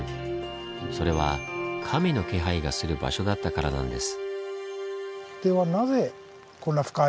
それは神の気配がする場所だったからなんです。